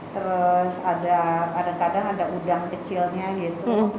terus ada kadang kadang ada udang kecilnya gitu